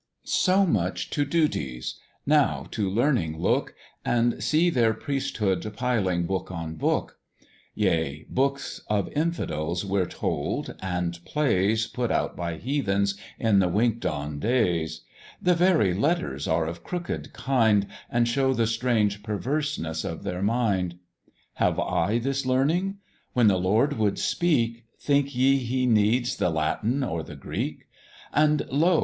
"So much to duties: now to Learning look, And see their priesthood piling book on book; Yea, books of infidels, we're told, and plays, Put out by heathens in the wink'd on days; The very letters are of crooked kind, And show the strange perverseness of their mind. Have I this Learning? When the Lord would speak; Think ye he needs the Latin or the Greek? And lo!